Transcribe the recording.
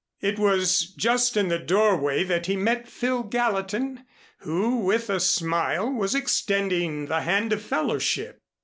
It was just in the doorway that he met Phil Gallatin, who, with a smile, was extending the hand of fellowship.